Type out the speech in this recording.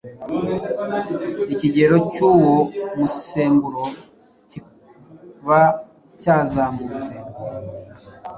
ikigero cy’uwo musemburo kiba cyazamutse